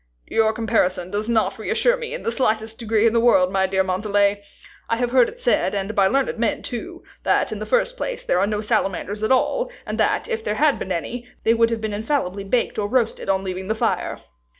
"Your comparison does not reassure me in the slightest degree in the world, my dear Montalais. I have heard it said, and by learned men too, that, in the first place, there are no salamanders at all, and that, if there had been any, they would have been infallibly baked or roasted on leaving the fire."